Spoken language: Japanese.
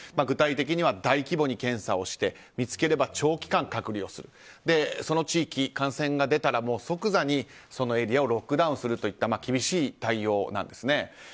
具体的には大規模に検査をして見つければ長期間隔離をするその地域、感染が出たら即座にそのエリアをロックダウンするといった厳しい対応なんですね。